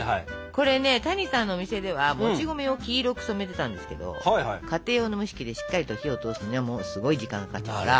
これね谷さんのお店ではもち米を黄色く染めてたんですけど家庭用の蒸し器でしっかりと火を通すにはすごい時間がかかっちゃうから。